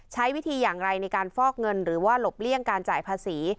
ใช้วิธีอย่างไรในการฟอกเงินหรือว่าหลบเลี่ยงการจ่ายภาษี